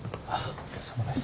お疲れさまです。